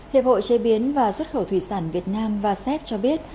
hiệp hội chế biến và xuất khẩu thủy sản việt nam vasep cho biết